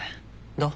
どう？